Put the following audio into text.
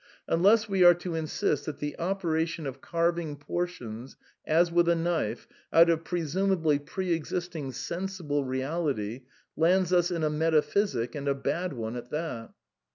Unless we are to insist that the opera tion of carving portions, as with a knife, out of presum ably pre existing " sensible reality " lands us in a meta physic, and a bad one at that.